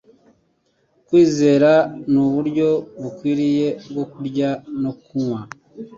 Kwizera n’Uburyo Bukwiriye bwo Kurya no Kunywa